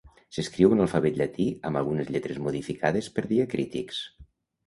S'escriu en l'alfabet llatí amb algunes lletres modificades per diacrítics.